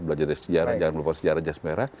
belajar dari sejarah jangan lupa sejarah jas merah